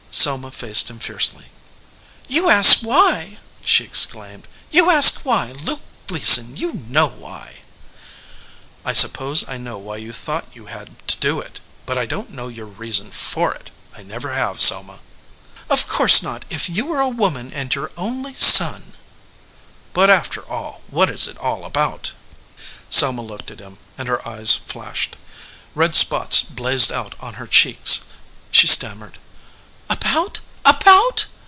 Selma faced him fiercely. "You ask why!" she exclaimed. "You ask why! Luke Gleason, you know why." "I suppose I know why you thought you had to do it, but I don t know your reason for it. I never have, Selma." "Of course not. If you were a woman, and your only son " "But, after all, what is it all about?" Selma looked at him, and her eyes flashed. Red spots blazed out on her cheeks. She stammered. "About